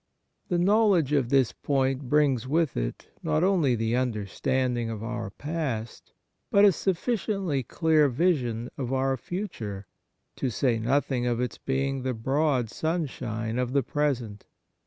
The knowledge of this point brings with it, not only the understanding of our past, but a sufficiently clear vision of our future, to say nothing of its being the broad sun 48 Kindness shine of the present.